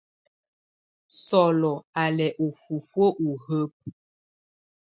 Sɔlɔ á lɛ ú fufuǝ́ u hǝ́bǝ.